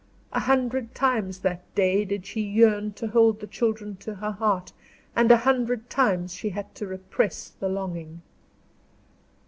A hundred times that day did she yearn to hold the children to her heart, and a hundred times she had to repress the longing.